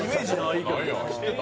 知ってた？